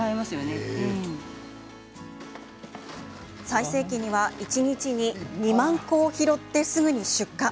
最盛期には一日に２万個を拾って、すぐに出荷。